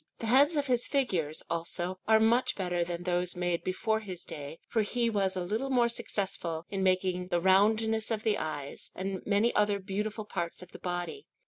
The heads of his figures, also, are much better than those made before his day, for he was a little more successful in making the roundness of the eyes, and many other beautiful parts of the body.